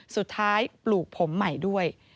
สุดท้ายปลูกผมใหม่ด้วย